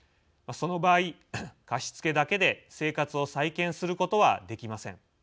その場合、貸付だけで生活を再建することはできません。